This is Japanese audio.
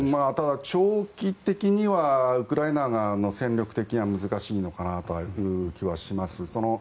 ただ、長期的なウクライナの戦力的には難しいのかなという気がします。